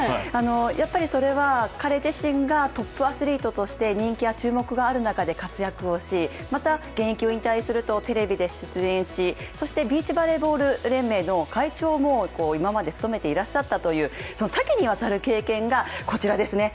やっぱりそれは、彼自身がトップアスリートとして、人気や注目がある中で活躍をし、また、現役を引退するとテレビに出演しそしてビーチバレーボール連盟の会長も今まで務めていらっしゃったというその、多岐にわたる経験がこちらですね。